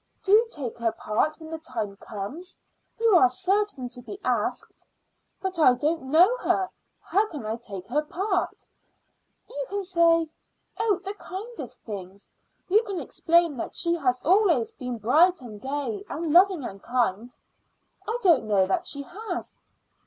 "Do take her part when the time comes. You are certain to be asked." "But I don't know her. How can I take her part?" "You can say oh, the kindest things. You can explain that she has always been bright and gay and loving and kind." "I don't know that she has."